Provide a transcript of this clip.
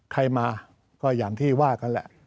ใครมาก็อย่างที่ว่ากันแหละ